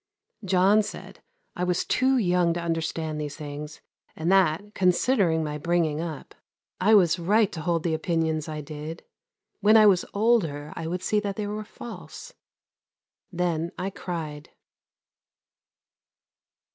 John said I was too young to understand these things, and that, considering my bringing up, I was right to hold the opinions I did. When I was older I would see that they were false. Then I cried.